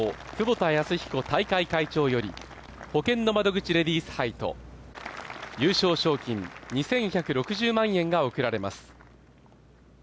窪田泰彦大会会長より、ほけんの窓口レディース杯と優勝賞金２１６０万円が贈られます。